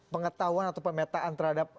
pengetahuan atau pemetaan terhadap